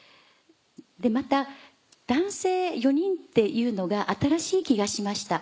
また男性４人っていうのが新しい気がしました。